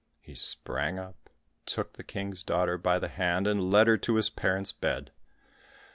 He sprang up, took the King's daughter by the hand, and led her to his parents' bed.